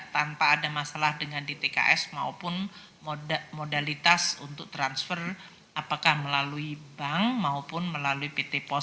tanpa ada masalah dengan dtks maupun modalitas untuk transfer apakah melalui bank maupun melalui pt post